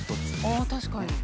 ああ確かに。